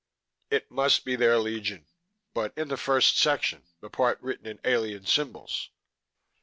"It must be there, Legion; but in the first section, the part written in alien symbols."